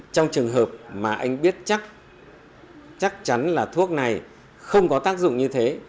trong trường hợp mà anh biết chắc chắc chắn là thuốc này không có tác dụng như thế